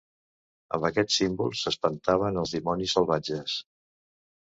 Amb aquests símbols s'espantaven els dimonis salvatges.